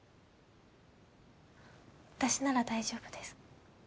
私なら大丈夫です。